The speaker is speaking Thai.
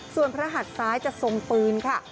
ส่วนพระหัดซ้ายจะทรงปืนค่ะ